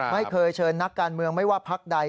ไม่เคยเชิญนักการเมืองไม่ว่าพักใด